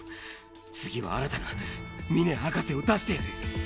次は新たな峰博士を出してやる。